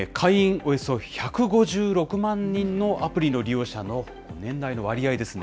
およそ１５６万人のアプリの利用者の年代の割合ですね。